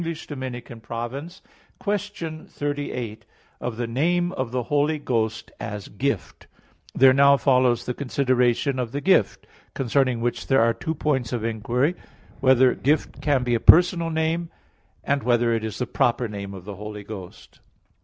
_______________________ QUESTION 38 OF THE NAME OF THE HOLY GHOST, AS GIFT (In Two Articles) There now follows the consideration of the Gift; concerning which there are two points of inquiry: (1) Whether "Gift" can be a personal name? (2) Whether it is the proper name of the Holy Ghost?